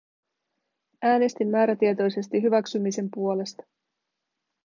Äänestin määrätietoisesti hyväksymisen puolesta.